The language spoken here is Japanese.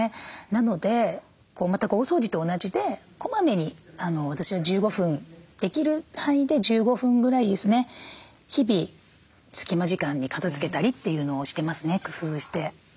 なので全く大掃除と同じで小まめに私は１５分できる範囲で１５分ぐらいですね日々隙間時間に片づけたりっていうのをしてますね工夫して。